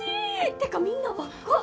てかみんな若っ！